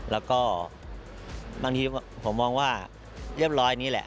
แล้วก็บางทีผมมองว่าเรียบร้อยนี่แหละ